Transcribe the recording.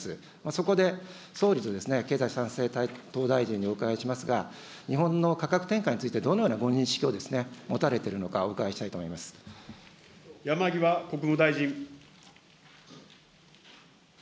そこで、総理と経済再生担当大臣にお伺いしますが、日本の価格転嫁について、どのようなご認識を持たれているのか、お伺いしたいと思いま山際国務大臣。